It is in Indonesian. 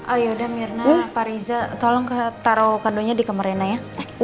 ayo damir nama pariza tolong ke taruh kandonya di kamar inaya